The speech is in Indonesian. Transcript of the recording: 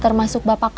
termasuk bapak kamu